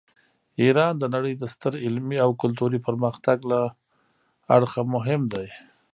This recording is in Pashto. ایران د نړۍ د ستر علمي او کلتوري پرمختګ له اړخه مهم دی.